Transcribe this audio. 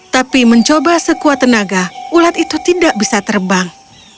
tapi mencoba sekuat tenaga ulat itu tidak bisa terbang